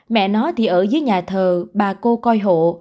mẹ nói thì ở dưới nhà thờ bà cô coi hộ